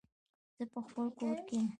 زه په خپل کور کې يم